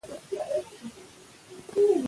د کار بازار متخصصو کسانو ته اړتیا لري.